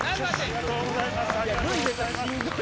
ありがとうございます。